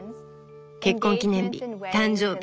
結婚記念日誕生日